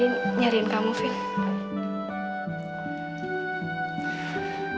gimana acara makam malam